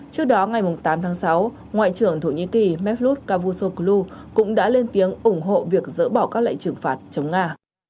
trước đó ngày tám tháng sáu ngoại trưởng thổ nhĩ kỳ mép lut cavusoglu cũng đã lên tiếng ủng hộ việc dỡ bỏ các lệnh trừng phạt chống nga